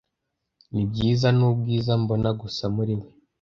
nibyiza nubwiza mbona gusa muri we